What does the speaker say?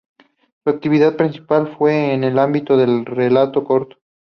Su actividad principal fue en el ámbito del relato corto.